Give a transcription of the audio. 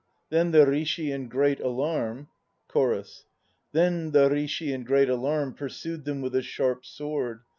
Then the Rishi in great alarm CHORUS. Then the Rishi in great alarm Pursued them with a sharp sword.